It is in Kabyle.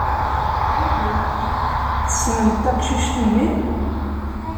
Tessnemt taqcict-nni?